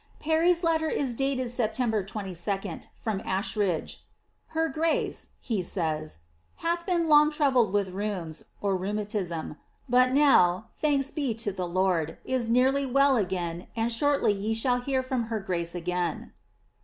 Parry's letter is dated September 22d, from Asheridge.' " Her grace," he says ^hath been long troubled with rheums (rheumatism),' but now, thanks be to the Lord, is nearly well again and shortly ye shall hear from her grace again."